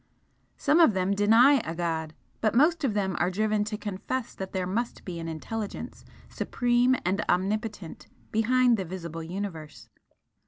Some of them deny a God, but most of them are driven to confess that there must be an Intelligence, supreme and omnipotent, behind the visible Universe.